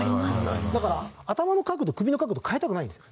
だから頭の角度首の角度変えたくないんですよ。